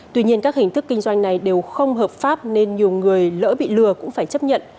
tuy nhiên các hình thức kinh doanh này đều không hợp pháp nên nhiều người lỡ bị lừa cũng phải chấp nhận